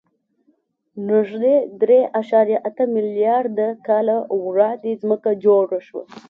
نږدې درې اعشاریه اته میلیارده کاله وړاندې ځمکه جوړه شوه.